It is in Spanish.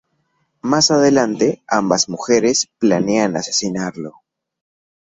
Más adelante, ambas mujeres planean asesinarlo.